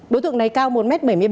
đối tượng này cao một m bảy mươi ba